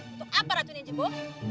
untuk apa racun ini bu